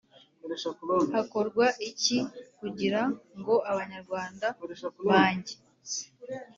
Hakorwa iki kugira ngo Abanyarwanda bange